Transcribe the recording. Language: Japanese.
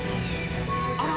あら？